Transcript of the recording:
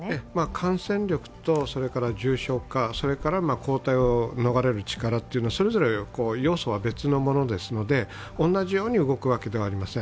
感染力と重症化抗体を逃れる力というのはそれぞれ要素は別のものですので同じように動くわけではありません。